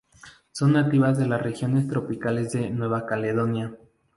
Son nativas de las regiones tropicales de Nueva Caledonia.